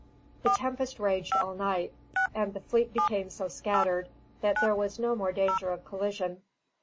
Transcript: _)] The tempest raged all night, and the fleet became so scattered that there was no more danger of collision.